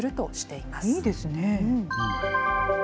いいですね。